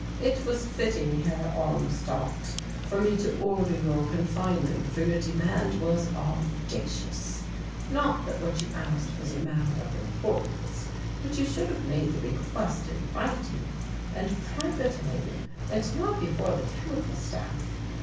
"It was fitting, Herr von Armstadt, for me to order your confinement for your demand was audacious; not that what you asked was a matter of importance, but you should have made the request in writing and privately and not before the Chemical Staff.